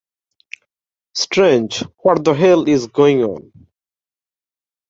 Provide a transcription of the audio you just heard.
Strange! What the hell is going on.